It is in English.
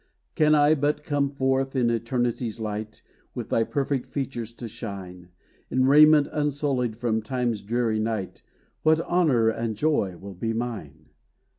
Can I but come forth to eternity's light, With thy perfect features to shine, In raiment unsullied from time's dreary night, What honor and joy will be mine!